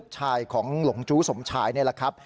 ชายของหลงจู้สมชายนี่แหละครับ